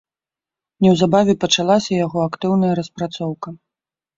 Неўзабаве пачалася яго актыўная распрацоўка.